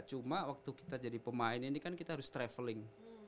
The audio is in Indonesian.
cuma waktu kita jadi pemain ini kan kita harus traveling